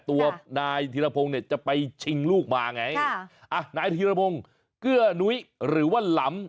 ตัวนายทีรพงศ์จะไปชิงลูกมาไงนายทีรพงศ์เกื้อนุ๊ยหรือว่าหลำ